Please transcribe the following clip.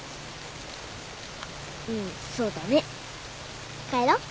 うんそうだね。帰ろう。